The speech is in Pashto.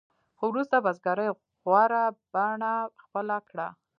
خو وروسته بزګرۍ غوره بڼه خپله کړه.